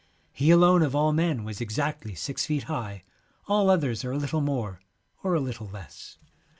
He alone of all men was exactly six feet high, all others are a little more or a little less.